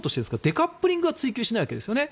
デカップリングは追求しないんですよね。